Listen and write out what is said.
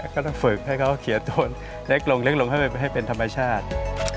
ก็ต้องฝึกให้เขาเขียนตัวเล็กลงให้เป็นธรรมชาติ